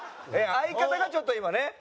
相方がちょっと今ね